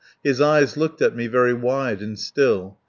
His eyes looked at me very wide and still.